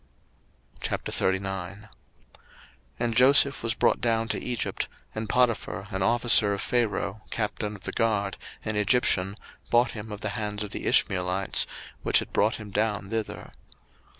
01:039:001 And Joseph was brought down to Egypt; and Potiphar, an officer of Pharaoh, captain of the guard, an Egyptian, bought him of the hands of the Ishmeelites, which had brought him down thither.